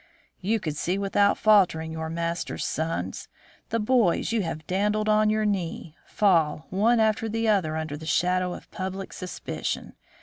"You could see without faltering your master's sons, the boys you have dandled on your knee, fall one after the other under the shadow of public suspicion.